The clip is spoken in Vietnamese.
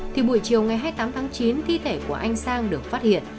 thì buổi chiều ngày hai mươi tám tháng chín thi thể của anh sang được phát hiện